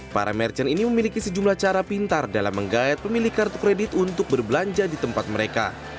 para merchant ini memiliki sejumlah cara pintar dalam menggayat pemilik kartu kredit untuk berbelanja di tempat mereka